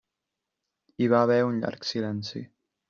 Hi va haver un llarg silenci.